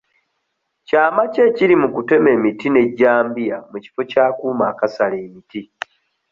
Kyama ki ekiri mu kutema emiti n'ejjambiya mu kifo ky'akuuma akasala emiti?